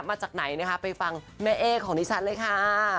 มาจากไหนนะคะไปฟังแม่เอ๊ของดิฉันเลยค่ะ